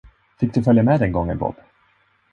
Fick du följa med den gången, Bob?